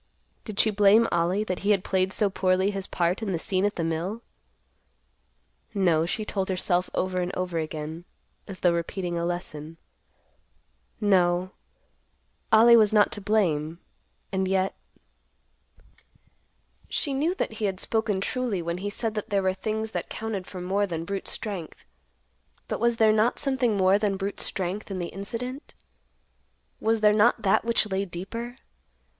Did she blame Ollie that he had played so poorly his part in the scene at the mill. No, she told herself over and over again, as though repeating a lesson; no, Ollie was not to blame, and yet— She knew that he had spoken truly when he said that there were things that counted for more than brute strength. But was there not something more than brute strength in the incident? Was there not that which lay deeper?